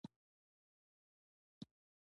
هغه له پیل څخه د سختې ناروغۍ سره سره.